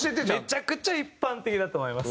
めちゃくちゃ一般的だと思います。